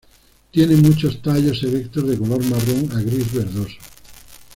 Tiene muchos tallos erectos de color marrón a gris-verdoso.